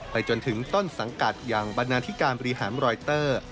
จนถึงต้นสังกัดอย่างบรรณาธิการบริหารรอยเตอร์